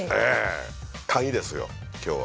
鍵ですよ今日は。